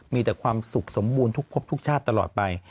มีแต่ความสุขสมบูรณ์ทุกพบทุกชาติตลอดไป